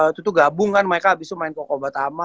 itu tuh gabung kan mereka abis itu main di koba tama